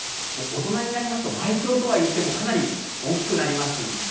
大人になりますと、マイクロとはいっても、かなり大きくなります。